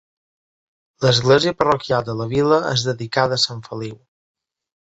L'església parroquial de la vila és dedicada a Sant Feliu.